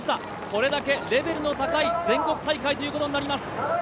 それだけレベルの高い全国大会ということになります。